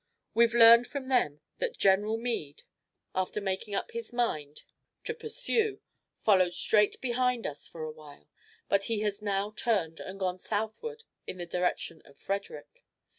We've learned from them that General Meade, after making up his mind to pursue, followed straight behind us for a while, but he has now turned and gone southward in the direction of Frederick.